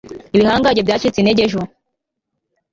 ibihangange byacitse intege ejo